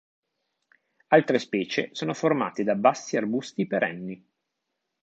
Altre specie sono formate da bassi arbusti perenni.